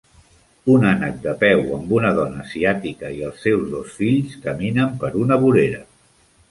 Un ànec de peu amb una dona asiàtica i els seus dos fills caminant per una vorera.